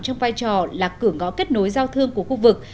trong vai trò là cửa ngõ kết nối giao thương của khu vực